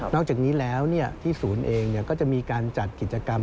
อกจากนี้แล้วที่ศูนย์เองก็จะมีการจัดกิจกรรม